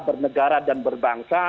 bernegara dan berbangsa